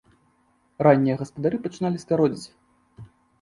Раннія гаспадары пачыналі скародзіць.